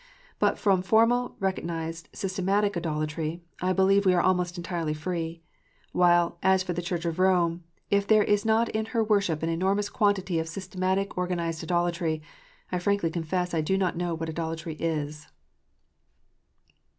But from formal, recognized, systematic idolatry, I believe we are almost entirely free. While, as for the Church of Rome, if there is not in her worship an enormous quantity of systematic, organized idolatry, I frankly confess I do not know what idolatry is.